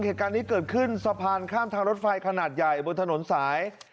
เหตุการณ์นี้เกิดขึ้นสะพานข้ามทางรถไฟขนาดใหญ่บนถนนสาย